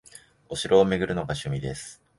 お城を巡るのが趣味です